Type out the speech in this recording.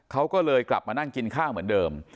เขาก็เลยกลับมานั่งกินข้าวเหมือนเดิม